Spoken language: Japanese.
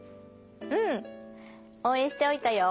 うんおうえんしておいたよ。